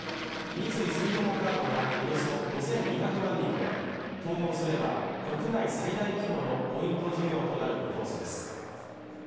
三井住友カードがおよそ５２００万人で統合すれば国内最大規模のポイント事業となる見通しです